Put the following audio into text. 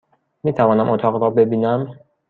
میتوانم اتاق را ببینم؟